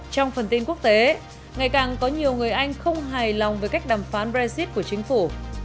trong phần tin quốc tế ngày càng có nhiều người anh không hài lòng với cách đàm phán brexit của chính phủ